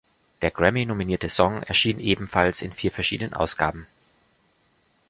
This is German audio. Der Grammy-nominierte Song erschien ebenfalls in vier verschiedenen Ausgaben.